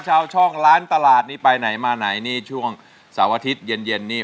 ชาวช่องล้านตลาดนี่ไปไหนมาไหนนี่ช่วงเสาร์อาทิตย์เย็นนี่